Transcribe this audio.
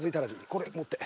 これ持って。